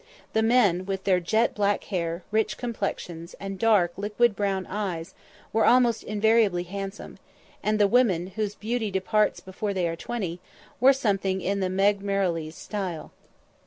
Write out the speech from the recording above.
The men, with their jet black hair, rich complexions, and dark liquid brown eyes, were almost invariably handsome; and the women, whose beauty departs before they are twenty, were something in the "Meg Merrilies" style.